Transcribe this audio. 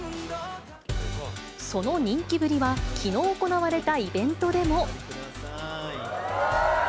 その人気ぶりはきのう行われたイベントでも。